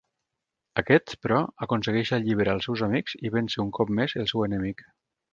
Aquest, però, aconsegueix alliberar els seus amics i vèncer un cop més el seu enemic.